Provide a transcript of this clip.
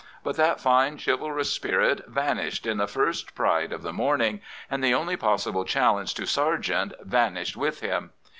But that fine, chivalrous spirit vanished in the first pride of the morning, and the only possible challenge to Sargent vanished with him.